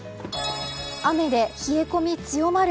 雨で冷え込み強まる。